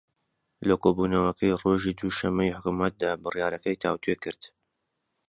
لە کۆبوونەوەکەی ڕۆژی دووشەممەی حکوومەتدا بڕیارەکەی تاووتوێ کرد